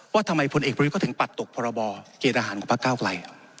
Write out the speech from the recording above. ว่าทำไมพลเอกประยุทธก็ถึงปัดตกพรบเกณฑ์อาหารของพระเก้าไกล